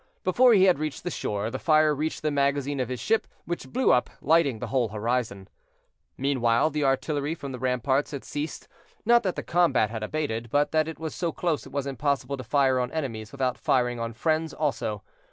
Before he had reached the shore, the fire reached the magazine of his ship, which blew up, lighting the whole horizon. Meanwhile, the artillery from the ramparts had ceased, not that the combat had abated, but that it was so close it was impossible to fire on enemies without firing on friends also.